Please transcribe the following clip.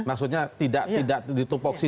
maksudnya tidak tupu tupu nya